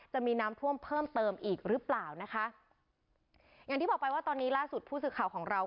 จะมีน้ำท่วมเพิ่มเติมอีกหรือเปล่านะคะอย่างที่บอกไปว่าตอนนี้ล่าสุดผู้สื่อข่าวของเรา